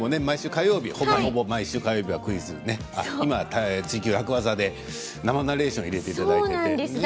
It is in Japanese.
ほぼほぼ毎週火曜日は「ツイＱ楽ワザ」で生ナレーション入れていただいています。